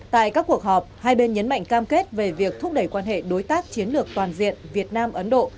tại các cuộc họp hai bên nhấn mạnh cam kết về việc thúc đẩy quan hệ đối tác chiến lược toàn diện việt nam ấn độ